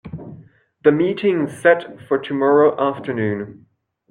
The meeting's set for tomorrow afternoon.